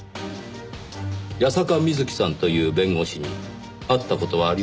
矢坂美月さんという弁護士に会った事はありますか？